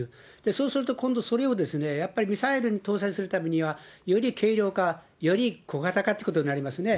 そうすると、今度はそれをやっぱりミサイルに搭載するためには、より軽量化、より小型化ということになりますね。